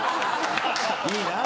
いいなぁ